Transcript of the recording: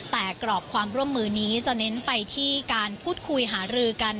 แต่กรอบความร่วมมือนี้จะเน้นไปที่การพูดคุยหารือกัน